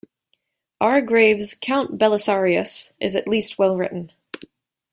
R. Graves's "Count Belisarius"... is at least well-written.